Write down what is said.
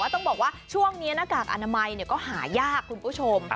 ต้องบอกว่าช่วงนี้หน้ากากอนามัยก็หายากคุณผู้ชม